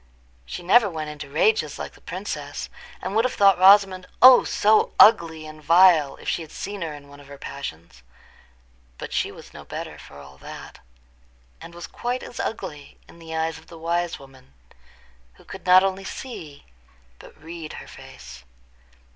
She never went into rages like the princess, and would have thought Rosamond—oh, so ugly and vile! if she had seen her in one of her passions. But she was no better, for all that, and was quite as ugly in the eyes of the wise woman, who could not only see but read her face.